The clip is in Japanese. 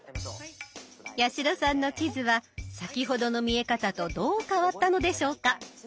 八代さんの地図は先ほどの見え方とどう変わったのでしょうか？